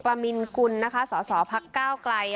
อัพมามินกุลนะคะส่อพักเก้าไกล